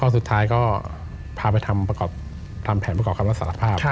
สุดท้ายก็พาไปทำแผนประกอบคำรับสารภาพ